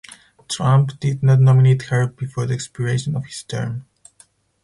Trump did not nominate her before the expiration of his term.